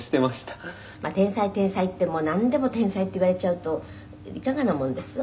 「天才天才ってなんでも天才って言われちゃうといかがなもんです？」